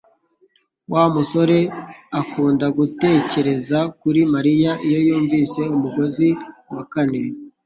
Wa musore akunda gutekereza kuri Mariya iyo yumvise umugozi wa kane